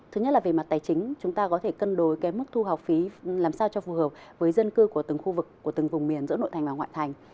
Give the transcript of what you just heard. thứ nhất là về mặt tài chính chúng ta có thể cân đối cái mức thu học phí làm sao cho phù hợp với dân cư của từng khu vực của từng vùng miền giữa nội thành và ngoại thành